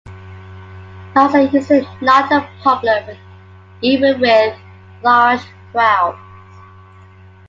Lines are usually not a problem even with large crowds.